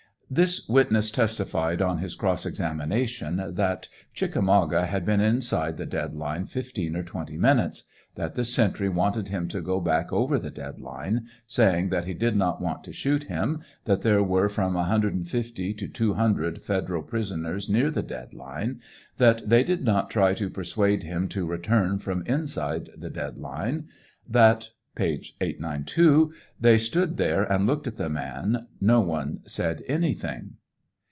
This witness testified on his cross examination that " Chiakamauga" had been inside the dead line fifteen or twenty minutes ; that the sentry wanted him to go back over the dead line, saying that he did not want to shoot him ; that there were from 150 to 200 federal prisoners near the dead line ; that they did not try to persuade him to return from inside the dead line ; that (page 892) "they stood there and looked at the man; no one said anything."